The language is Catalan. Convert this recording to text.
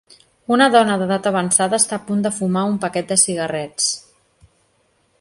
Una dona d'edat avançada està a punt de fumar un paquet de cigarrets.